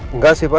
enggak sih pak